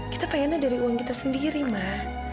kita pengennya dari uang kita sendiri mah